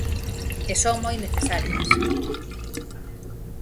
E son moi necesarias.